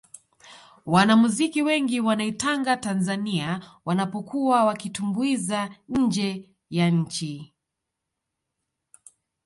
wanamuziki wengi wanaitanga tanzania wanapokuwa wakitumbuiza nje ya nchi